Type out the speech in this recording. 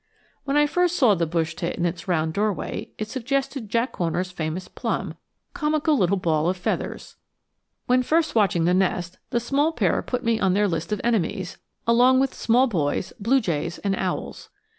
When I first saw the bush tit in its round doorway, it suggested Jack Horner's famous plum, comical little ball of feathers! When first watching the nest the small pair put me on their list of enemies, along with small boys, blue jays, and owls.